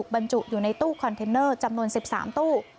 บรรจุอยู่ในตู้คอนเทนเนอร์จำนวน๑๓ตู้